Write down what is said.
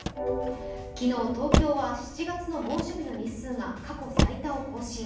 昨日、東京は７月の猛暑日の日数が過去最多を更新。